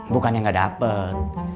bukannya gak dapet